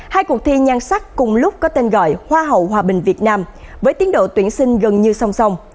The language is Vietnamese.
hai cuộc thi nhan sắc cùng lúc có tên gọi hoa hậu hòa bình việt nam với tiến độ tuyển sinh gần như song song